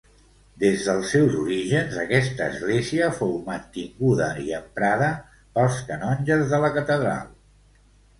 Des dels seus orígens, aquesta església fou mantinguda i emprada pels canonges de la catedral.